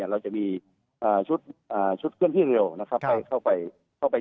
เราจะมีชุดเคลื่อนที่เร็วเข้าไป